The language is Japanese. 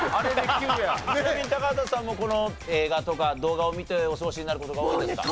ちなみに高畑さんもこの映画とか動画を見てお過ごしになる事が多いですか？